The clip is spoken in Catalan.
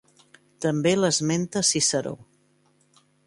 També l'esmenta Ciceró.